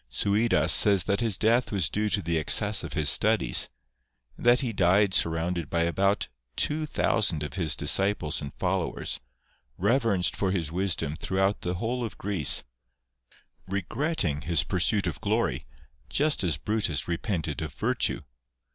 Suidas says that his death was due to the excess of his studies, and that he died surrounded by about two thousand of his disciples and followers, rever enced for his wisdom throughout the whole of Greece, regretting his pursuit of glory, just as Brutus repented of virtue.